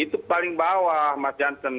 itu paling bawah mas jansen